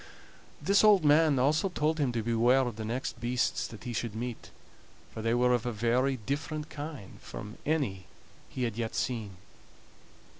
This old man also told him to beware of the next beasts that he should meet, for they were of a very different kind from any he had yet seen.